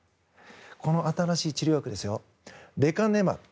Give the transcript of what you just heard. この新しい治療薬ですよレカネマブ。